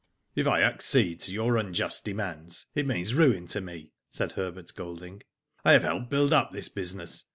*'" If I accede to your unjust demands it means ruin to me," said Herbert Golding. *' I have helped to build up this business.